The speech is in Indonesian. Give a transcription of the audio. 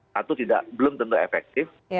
satu belum tentu efektif